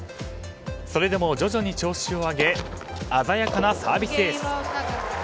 それでも徐々に調子を上げ鮮やかなサービスエース。